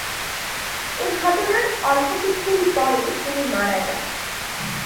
এ ঘটনার অল্প কিছুদিন পরেই তিনি মারা যান।